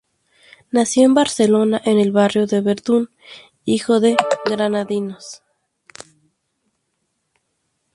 Nació en Barcelona, en el barrio del Verdún, hijo de granadinos.